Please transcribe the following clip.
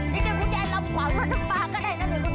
ไปแล้วกัน